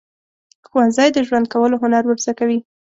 ښوونځی د ژوند کولو هنر ورزده کوي.